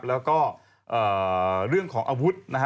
แล้วก็เรื่องของอาวุธนะฮะ